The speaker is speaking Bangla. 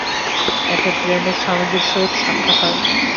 একদা ট্রেনে স্বামীজীর সহিত সাক্ষাৎ হয়।